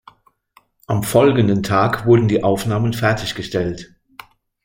Am folgenden Tag wurden die Aufnahmen fertiggestellt.